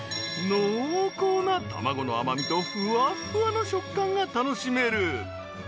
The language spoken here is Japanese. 濃厚な卵の甘みとふわふわの食感が楽しめる］